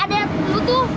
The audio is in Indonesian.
ada yang penuh tuh